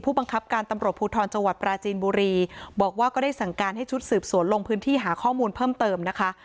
บังคับการตำรวจภูทรจังหวัดปราจีนบุรีบอกว่าก็ได้สั่งการให้ชุดสืบสวนลงพื้นที่หาข้อมูลเพิ่มเติมนะคะ